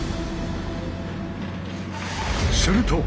すると！